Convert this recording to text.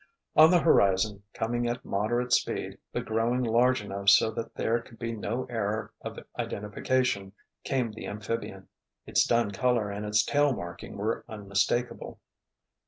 On the horizon, coming at moderate speed, but growing large enough so that there could be no error of identification, came the amphibian. Its dun color and its tail marking were unmistakable.